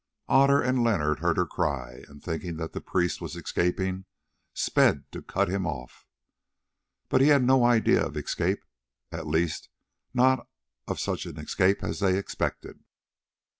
Otter and Leonard heard her cry, and, thinking that the priest was escaping, sped to cut him off. But he had no idea of escape, at least not of such escape as they expected.